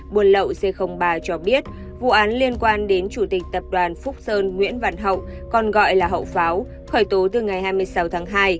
buôn lậu c ba cho biết vụ án liên quan đến chủ tịch tập đoàn phúc sơn nguyễn văn hậu còn gọi là hậu pháo khởi tố từ ngày hai mươi sáu tháng hai